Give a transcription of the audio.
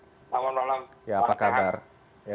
selamat malam pak dika